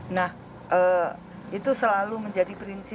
nah itu selalu menjadi prinsip